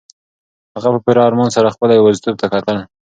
هغه په پوره ارمان سره خپله یوازیتوب ته کتل.